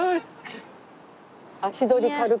足取り軽く？